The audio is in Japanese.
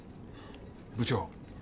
部長！